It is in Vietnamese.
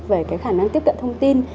về cái khả năng tiếp cận thông tin